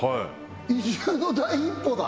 移住の第一歩だ！